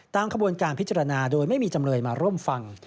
ขบวนการพิจารณาโดยไม่มีจำเลยมาร่วมฟัง